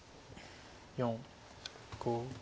４５。